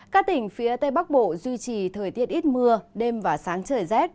các tỉnh phía tây bắc bộ duy trì thời tiết ít mưa đêm và sáng trời rét